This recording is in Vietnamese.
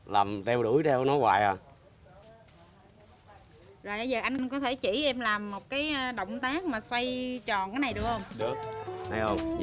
làm đeo đuổi đeo nó hoài à